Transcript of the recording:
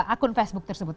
akun facebook tersebut